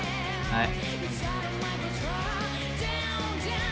はい。